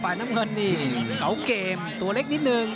น้ำเงินนี่เกาเกมตัวเล็กนิดนึง